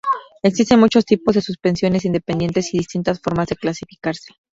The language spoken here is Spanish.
Existen muchos tipos de suspensiones independientes y distintas formas de clasificarse.